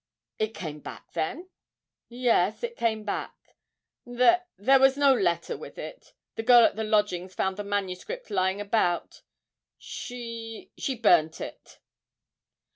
'It came back, then?' 'Yes, it came back. There there was no letter with it; the girl at the lodgings found the manuscript lying about. She she burnt it.'